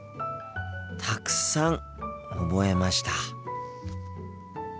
たくさん覚えました。